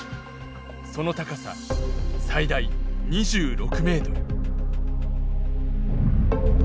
その高さ最大２６ｍ。